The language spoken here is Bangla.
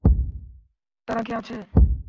তারা কি আছে?